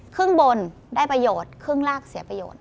ครึ่งบนได้ประโยชน์ครึ่งลากเสียประโยชน์